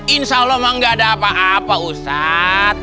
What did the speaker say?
insya allah nggak ada apa apa ustadz